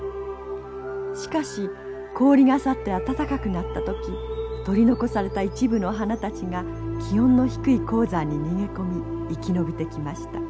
しかし氷が去って暖かくなった時取り残された一部の花たちが気温の低い高山に逃げ込み生き延びてきました。